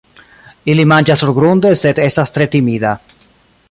Ili manĝas surgrunde, sed estas tre timida.